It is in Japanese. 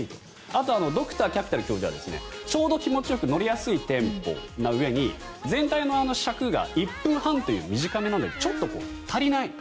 あとはドクター・キャピタル教授はちょうど気持ちよくのりやすいテンポなうえに全体の尺が１分半という短めなのでちょっと足りない